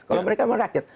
kalau mereka memang rakyat